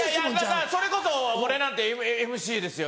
それこそ俺なんてＭＣですよ。